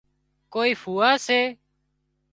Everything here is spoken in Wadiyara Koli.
ڪوئي ڦوئا سي